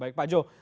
baik pak jo